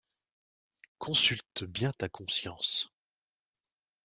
Consulte bien ta conscience.